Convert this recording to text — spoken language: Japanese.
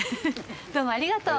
どうもありがとう。